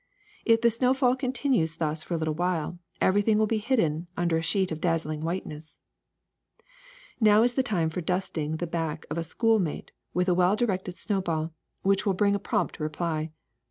If the snowfall continu^es thus for a little while, everything will be hidden under a sheet of dazzling whiteness. ^^ Now is the time for dusting the back of a school mate with a well directed snowball, which will bring a prompt reply.